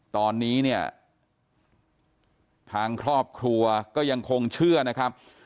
ตอนนี้เนี่ยทางครอบครัวก็ยังคงเชื่อนะครับ